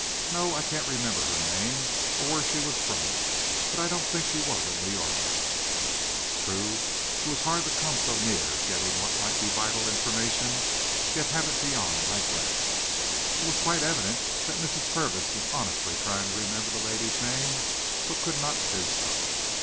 No, I can't remember her name, or where she was from. But I don't think she was a New Yorker." Truly it was hard to come so near getting what might be vital information, and yet have it beyond my grasp! It was quite evident that Mrs. Purvis was honestly trying to remember the lady's name, but could not do so.